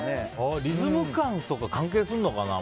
リズム感とか関係するのかな